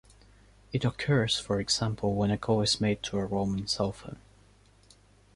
It occurs for example when a call is made to a roaming cell phone.